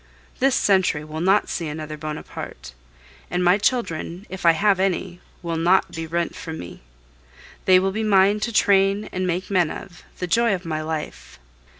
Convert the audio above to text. This century will not see another Bonaparte; and my children, if I have any, will not be rent from me. They will be mine to train and make men of the joy of my life.